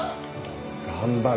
頑張れ。